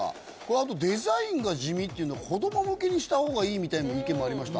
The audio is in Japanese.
あとデザインが地味っていうの子ども向けにした方がいいみたいな意見もありました。